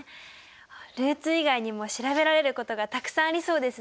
ルーツ以外にも調べられることがたくさんありそうですね。